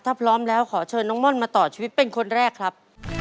ถ้าพร้อมแล้วขอเชิญน้องม่อนมาต่อชีวิตเป็นคนแรกครับ